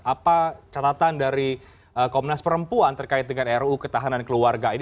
apa catatan dari komnas perempuan terkait dengan ruu ketahanan keluarga ini